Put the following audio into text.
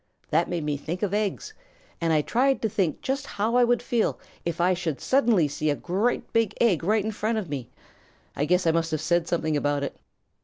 That made me think of eggs, and I tried to think just how I would feel if I should suddenly see a great big egg right in front of me. I guess I must have said something about it."